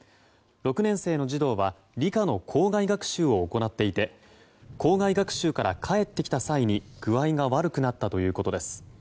６年生の児童は理科の校外学習を行っていて校外学習から帰ってきた際に具合が悪くなったということです。